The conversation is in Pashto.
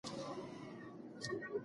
موږ بايد له يوه بل زده کړه وکړو.